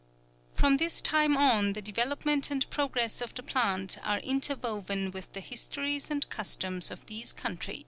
Prom this time on the development and progress of the plant are interwoven with the histories and customs of these countries.